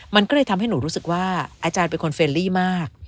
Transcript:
มันก็เลยทำให้หนูรู้สึกว่าอาจารย์เป็นคนเฟรลี่มาก